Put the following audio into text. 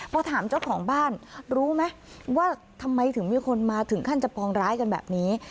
พอถามเจ้าของบ้านรู้ไหมว่าทำไมถึงมีคนมาถึงขั้นจะปองร้ายกันแบบนี้